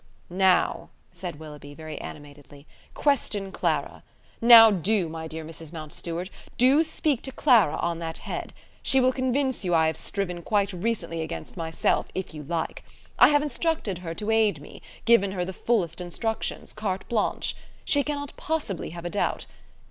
"Now," said Willoughby, very animatedly, "question Clara. Now, do, my dear Mrs. Mountstuart, do speak to Clara on that head; she will convince you I have striven quite recently against myself, if you like. I have instructed her to aid me, given her the fullest instructions, carte blanche. She cannot possibly have a doubt.